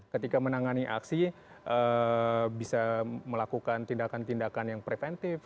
ketika menangani aksi bisa melakukan tindakan tindakan yang preventif